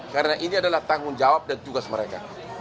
karena ini adalah tanggung jawab dan tugas mereka